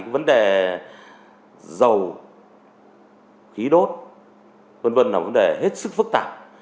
vấn đề dầu khí đốt v v là vấn đề hết sức phức tạp